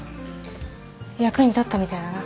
役に立ったみたいだな。